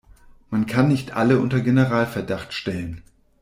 Man kann nicht alle unter Generalverdacht stellen.